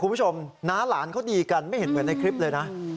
น้าหลานเขาดีกันไม่เห็นเหมือนในคลิปเลยนะ